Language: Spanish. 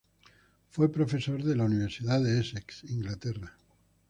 Fue profesor de la Universidad de Essex, Inglaterra.